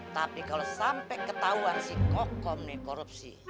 tapi kalo sampe ketauan si kokom ini korupsi